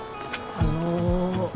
あの。